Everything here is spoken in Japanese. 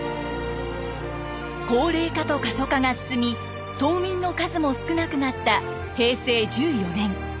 高齢化と過疎化が進み島民の数も少なくなった平成１４年。